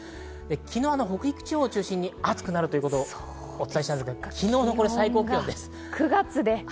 昨日、北陸地方を中心に暑くなるということをお伝えしたんですが、昨日のこれ最高気温です。